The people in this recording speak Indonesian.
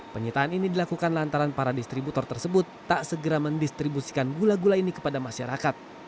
penyitaan ini dilakukan lantaran para distributor tersebut tak segera mendistribusikan gula gula ini kepada masyarakat